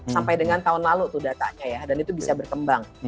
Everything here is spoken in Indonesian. sampai dengan tahun lalu tuh datanya ya dan itu bisa berkembang